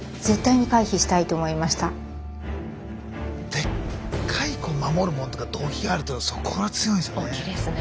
でっかいこう守るものとか動機があるとそこが強いんすよね。